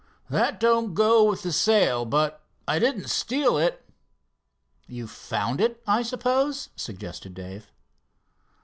"That don't go with the sale, but I didn't steal it." "You found it, I suppose?" suggested Dave.